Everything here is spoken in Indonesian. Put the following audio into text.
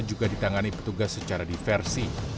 juga ditangani petugas secara diversi